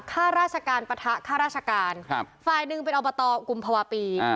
ข้าราชการปะทะค่าราชการฝ่ายหนึ่งเป็นอบตกุมภาวะปี